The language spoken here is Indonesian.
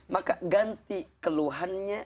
maka ganti keluhannya